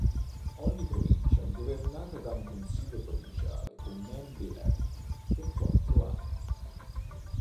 Ogni provincia è governata da un consiglio provinciale con membri eletti per quattro anni.